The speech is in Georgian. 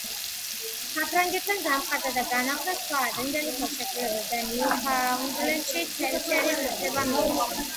საფრანგეთთან გამყარდა და განახლდა სხვა ადრინდელი ხელშეკრულებები და ნიუფაუნდლენდში თევზჭერის უფლება მიეცათ.